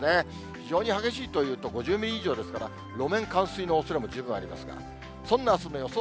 非常に激しいというと５０ミリ以上ですから、路面冠水のおそれも十分ありますから、そんなあすの予想